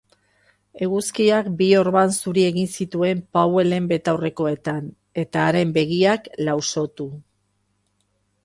Eguzkiak bi orban zuri egin zituen Powellen betaurrekoetan, eta haren begiak lausotu.